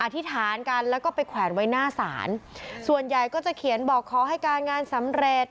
ธิษฐานกันแล้วก็ไปแขวนไว้หน้าศาลส่วนใหญ่ก็จะเขียนบอกขอให้การงานสำเร็จ